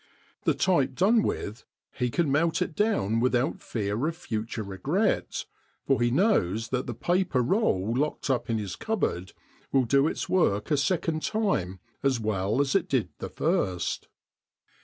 The type done with, he can melt it down without fear of future regret, for he knows that the paper roll locked up in his cupboard will do its work a second time as well as it did the first.